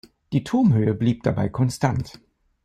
Die Turmhöhe blieb dabei konstant.